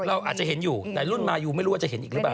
เราอาจจะเห็นอยู่แต่รุ่นมายูไม่รู้ว่าจะเห็นอีกหรือเปล่า